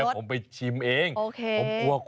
ว้าว